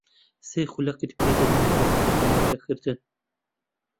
سی خولەکت پێ دەدەم بۆ خۆئامادەکردن.